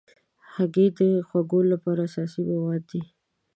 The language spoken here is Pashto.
هګۍ د خواږو لپاره اساسي مواد دي.